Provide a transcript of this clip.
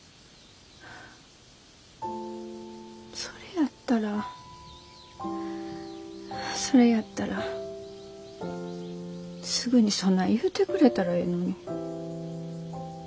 それやったらそれやったらすぐにそない言うてくれたらええのに。